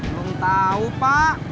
emang tahu pak